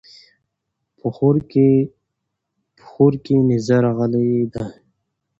په خوړ کې نيز راغلی دی